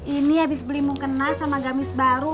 ini habis beli mukena sama gamis baru